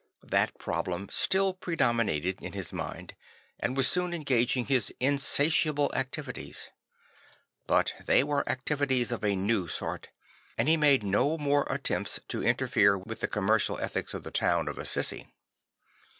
That problem still predominated in his mind and was soon engaging his insatiable activities; but they were activities of a new sort; and he made no more attempts to inter fere with the commercial ethics of the town of Assisi.